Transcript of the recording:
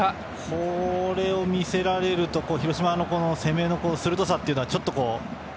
これを見せられると広島の攻めの鋭さというのをちょっと。